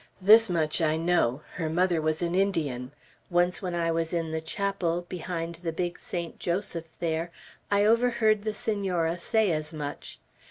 This much I know, her mother was an Indian. Once when I was in the chapel, behind the big Saint Joseph there, I overheard the Senora say as much.